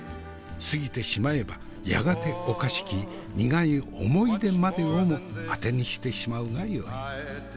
過ぎてしまえばやがておかしき苦い思い出までをもあてにしてしまうがよい。